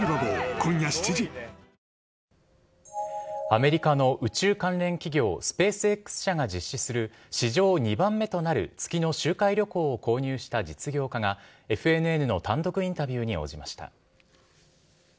アメリカの宇宙関連企業スペースＸ社が実施する史上２番目となる月の周回旅行を購入した実業家がＦＮＮの単独インタビューに応じました。